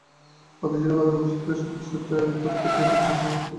কথা ছিল গতকাল বৃহস্পতিবার সন্ধ্যা সাতটায় পরীক্ষণ থিয়েটার হলে মঞ্চস্থ হবে কবি নাটকটি।